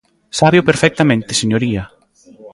Sábeo perfectamente, señoría.